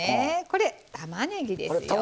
これたまねぎですよ。